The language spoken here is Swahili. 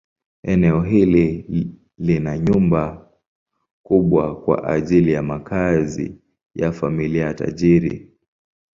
Eneo hili lina nyumba kubwa kwa ajili ya makazi ya familia tajiri.